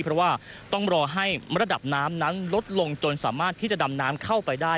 เพราะว่าต้องรอให้ระดับน้ำนั้นลดลงจนสามารถที่จะดำน้ำเข้าไปได้